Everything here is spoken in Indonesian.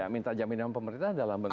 ya minta jaminan pemerintah dalam bentuk